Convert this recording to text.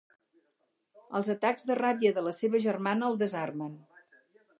Els atacs de ràbia de la seva germana el desarmen.